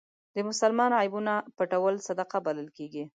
د مسلمان عیبونه پټول صدقه بلل کېږي.